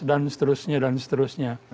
dan seterusnya dan seterusnya